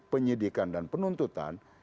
penyidikan dan penuntutan